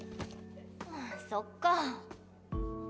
そっか。